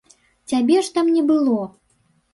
Цябе ж там не было.